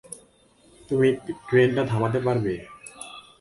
তুমি ট্রেনটা থামাতে পারবে।